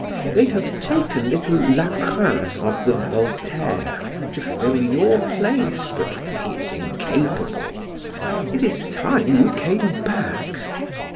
They have taken little Lacrin of the 'Voltaire' to fill your place, but he is incapable. It is time you came back."